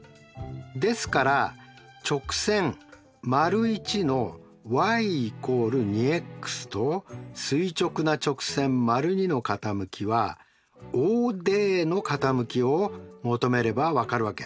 ですから直線①のｙ＝２ｘと垂直な直線②の傾きはＯＤの傾きを求めれば分かるわけ。